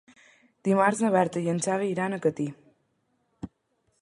Dimarts na Berta i en Xavi iran a Catí.